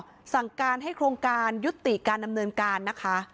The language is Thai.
แล้วทางรฟมอร์สั่งการให้โครงการยุติการดำเนินการนะคะ